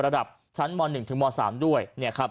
ระดับชั้นม๑๓ด้วย